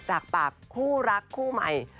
จากปากคู่รักคู่ใหม่